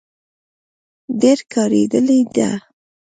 ډبره کارېدلې ده.